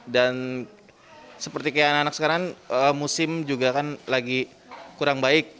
dan seperti anak anak sekarang musim juga kan lagi kurang baik